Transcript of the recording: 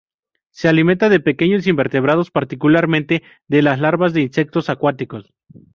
Se alimenta de pequeños invertebrados, particularmente de las larvas de insectos acuáticos.